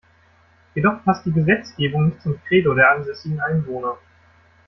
Jedoch passt die Gesetzgebung nicht zum Credo der ansässigen Einwohner.